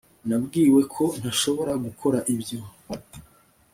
Nabwiwe ko ntashobora gukora ibyo